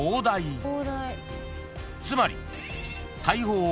［つまり］